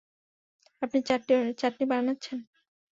আপনি চাটনি বানাচ্ছেন?